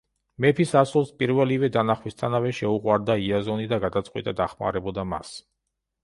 მეფის ასულს პირველივე დანახვისთანავე შეუყვარდა იაზონი და გადაწყვიტა დახმარებოდა მას.